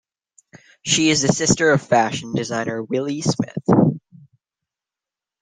She is the sister of fashion designer Willi Smith.